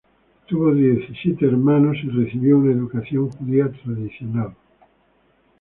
Tuvo diecisiete hermanos y recibió una educación judía tradicional.